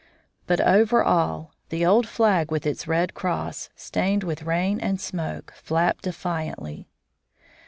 But over all the old flag with its red cross, stained with rain and smoke, flapped defiantly.